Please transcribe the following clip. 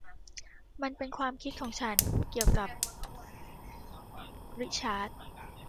มันเป็นความคิดของฉันเกี่ยวกับริชาร์ด